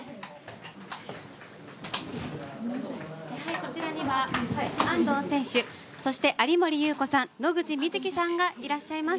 こちらには安藤選手そして有森裕子さん野口みずきさんがいらっしゃいます。